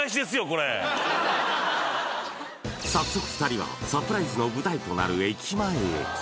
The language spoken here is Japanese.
これ早速２人はサプライズの舞台となる駅前へ！